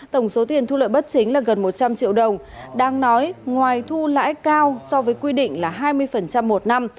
tổng số tiền thu lợi bất chính là gần một trăm linh triệu đồng đang nói ngoài thu lãi cao so với quy định là hai mươi một năm